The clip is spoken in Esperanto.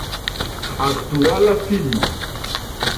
Aktuala filmo.